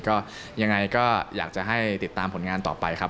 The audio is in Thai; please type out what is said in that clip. ก็ยังไงก็อยากจะให้ติดตามผลงานต่อไปครับ